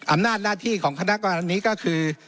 อำนาจหน้าที่ของคณะกรนี้ก็คือ